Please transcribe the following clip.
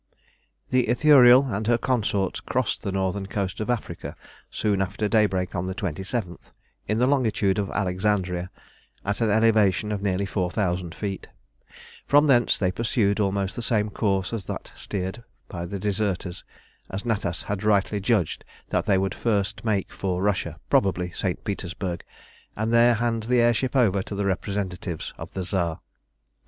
The Ithuriel and her consorts crossed the northern coast of Africa soon after daybreak on the 27th, in the longitude of Alexandria, at an elevation of nearly 4000 feet. From thence they pursued almost the same course as that steered by the deserters, as Natas had rightly judged that they would first make for Russia, probably St. Petersburg, and there hand the air ship over to the representatives of the Tsar.